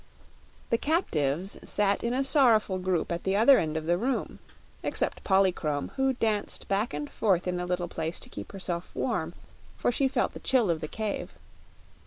The captives sat in a sorrowful group at the other end of the room except Polychrome, who danced back and forth in the little place to keep herself warm, for she felt the chill of the cave.